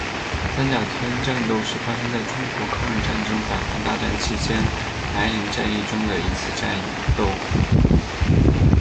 三甲村战斗是发生在中国抗日战争百团大战期间涞灵战役中的一次战斗。